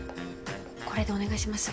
これでお願いします